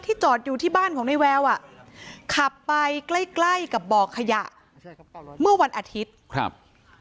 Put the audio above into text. จอดอยู่ที่บ้านของในแววอ่ะขับไปใกล้ใกล้กับบ่อขยะเมื่อวันอาทิตย์ครับ